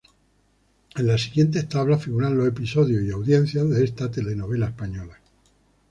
En la siguiente tabla figuran los episodios y audiencias de esta telenovela española.